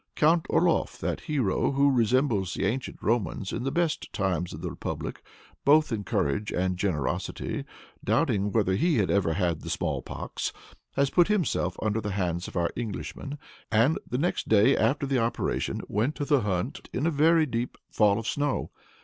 Count Orlof, that hero who resembles the ancient Romans in the best times of the republic, both in courage and generosity, doubting whether he had ever had the small pox, has put himself under the hands of our Englishman, and, the next day after the operation, went to the hunt in a very deep fall of snow.